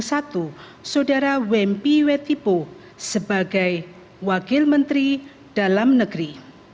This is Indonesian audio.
satu saudara wempi wetipo sebagai wakil menteri dalam negeri